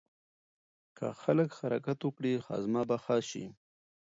که خلک حرکت وکړي هاضمه به ښه شي.